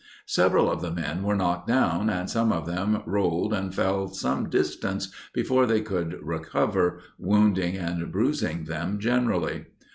Several of the men were knocked down, and some of them rolled and fell some distance before they could recover, wounding and bruising them generally.